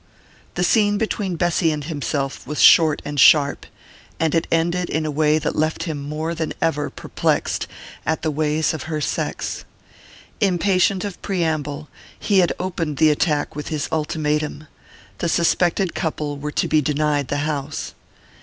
The scene between Bessy and himself was short and sharp; and it ended in a way that left him more than ever perplexed at the ways of her sex. Impatient of preamble, he had opened the attack with his ultimatum: the suspected couple were to be denied the house.